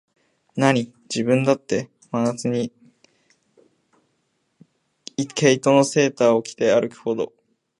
なに、自分だって、真夏に毛糸のセーターを着て歩くほど、